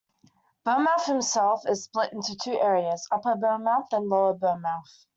Burnmouth itself is split into two areas: Upper Burnmouth and Lower Burnmouth.